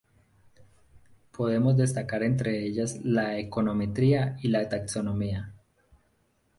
Podemos destacar entre ellas la econometría y la taxonomía.